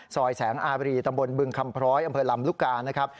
แสงอาบรีตำบลบึงคำพร้อยอำเภอลำลูกกานะครับ